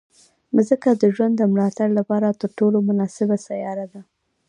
مځکه د ژوند د ملاتړ لپاره تر ټولو مناسبه سیاره ده.